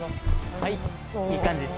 はい、いい感じです。